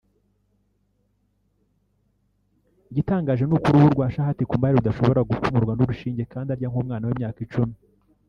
Igitangaje ni uko uruhu rwa Chahat Kumar rudashobora gupfumurwa n'urushinge kandi arya nk'umwana w'imyaka icumi